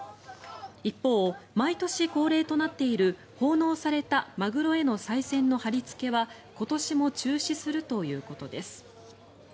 一方、毎年恒例となっている奉納されたマグロへのさい銭の貼りつけは今年も中止するということです。